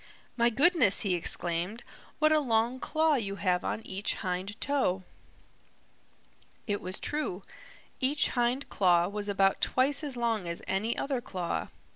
"My goodness," he exclaimed, "what a long claw you have on each hind toe!" It was true. Each hind claw was about twice as long as any other claw.